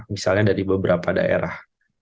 misalnya dari beberapa daerah